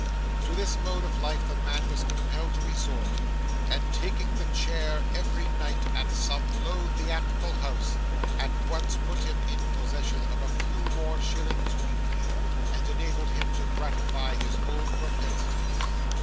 To this mode of life the man was compelled to resort; and taking the chair every night, at some low theatrical house, at once put him in possession of a few more shillings weekly, and enabled him to gratify his old propensity.